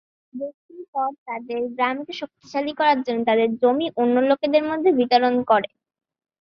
বসতির পর, তারা তাদের গ্রামকে শক্তিশালী করার জন্য তাদের জমি অন্য লোকেদের মধ্যে বিতরণ করে।